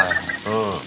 うん。